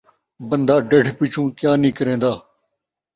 بندہ ڈڈھ پچھوں کیا نئیں کریندا